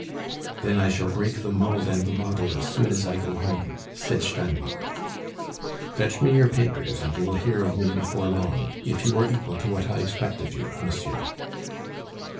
"Then I shall break the mould and the model as soon as I go home," said Steinbock. "Fetch me your papers, and you will hear of me before long, if you are equal to what I expect of you, monsieur."